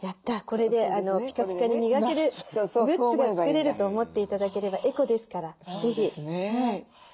これでピカピカに磨けるグッズが作れる」と思って頂ければエコですから是非。